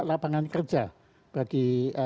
lapangan kerja bagi